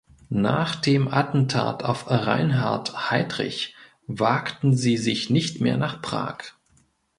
Nach dem Attentat auf Reinhard Heydrich wagten sie sich nicht mehr nach Prag.